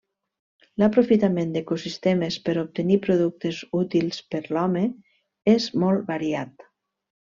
L'aprofitament d'ecosistemes per obtenir productes útils per l'home és molt variat.